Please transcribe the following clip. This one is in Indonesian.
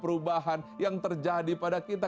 perubahan yang terjadi pada kita